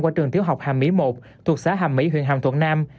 qua trường tiểu học hàm mỹ một thuộc xã hàm mỹ huyện hàm thuận nam